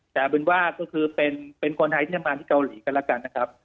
แต่ว่าเป็นคนไทยที่มาที่เกาหลีก็แล้วกันนะครับ